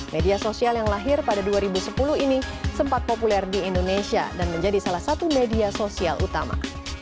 media sosial yang lahir pada dua ribu sepuluh ini sempat populer di indonesia dan menjadi salah satu media sosial utama